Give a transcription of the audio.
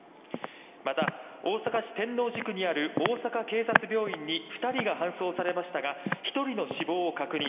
また大阪市天王寺区にある大阪警察病院に２人が搬送されましたが１人の死亡を確認。